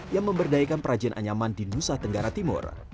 yang memberdayakan perajin anyaman di nusa tenggara timur